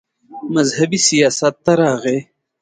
مذهبي سياست ته راغے